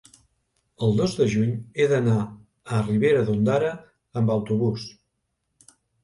el dos de juny he d'anar a Ribera d'Ondara amb autobús.